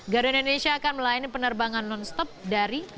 garuda indonesia akan melayani penerbangan non stop dari